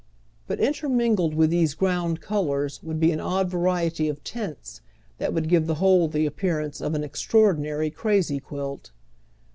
But intermingled with these ground colors would be an odd variety of tints that would give the whole the appearance of an extraordinary crazy quilt.